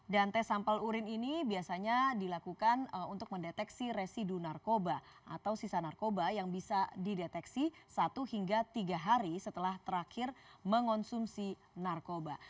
dan tes sampel urin ini biasanya dilakukan untuk mendeteksi residu narkoba atau sisa narkoba yang bisa dideteksi satu hingga tiga hari setelah terakhir mengonsumsi narkoba